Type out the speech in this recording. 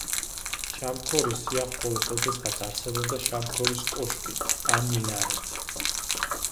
შამქორის სიახლოვეს ოდესღაც არსებობდა შამქორის კოშკი ან მინარეთი.